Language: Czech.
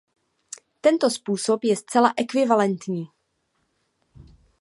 Tento způsob je zcela ekvivalentní.